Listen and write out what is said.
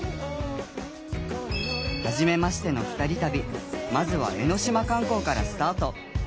はじめましての２人旅まずは江の島観光からスタート。